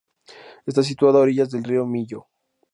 Está situada a orillas del río Miño.